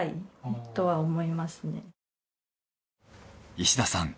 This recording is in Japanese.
石田さん